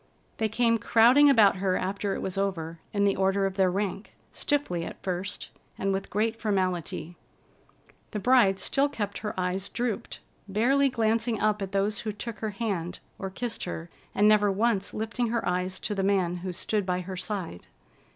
They came crowding about her after it was over, in the order of their rank, stiffly at first and with great formality. The bride still kept her eyes drooped, barely glancing up at those who took her hand or kissed her and never once lifting her eyes to the man who stood by her side.